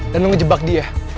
dan lo ngejebak dia